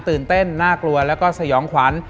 ตื่นเต้นน่ากลัวแล้วก็สยองขวัญ